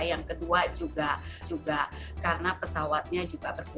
yang kedua juga karena pesawatnya juga berkurang